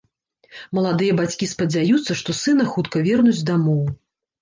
Маладыя бацькі спадзяюцца, што сына хутка вернуць дамоў.